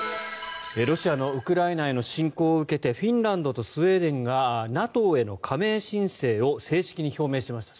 ロシアのウクライナへの侵攻を受けてフィンランドとスウェーデンがＮＡＴＯへの加盟申請を正式に表明しました。